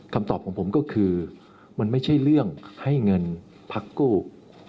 คำตอบของผมก็คือมันไม่ใช่เรื่องให้เงินพักกู้